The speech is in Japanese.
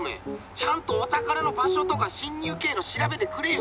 ちゃんとお宝の場所とか侵入経路調べてくれよ。